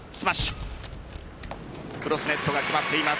クロスネットが決まっています。